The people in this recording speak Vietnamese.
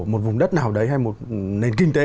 một vùng đất nào đấy hay một nền kinh tế